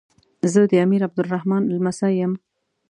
زه د امیر عبدالرحمان لمسی یم.